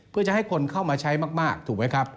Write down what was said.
เพื่อจะให้คนเข้ามาใช้มาก